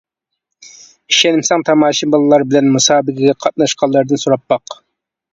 ئىشەنمىسەڭ تاماشىبىنلار بىلەن مۇسابىقىگە قاتناشقانلاردىن سوراپ باق!